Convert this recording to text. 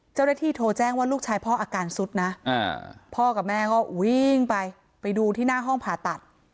เจ้าหน้าที่โทรแจ้งว่าลูกชายพ่ออาการสุดนะพ่อกับแม่ก็วิ่งไปไปดูที่หน้าห้องผ่าตัด